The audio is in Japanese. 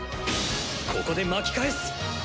ここで巻き返す！